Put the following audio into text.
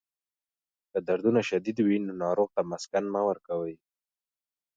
که دردونه شدید وي، نو ناروغ ته مسکن مه ورکوئ.